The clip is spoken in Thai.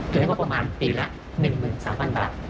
ถือให้ว่าประมาณปีละ๑๓๐๐๐บาท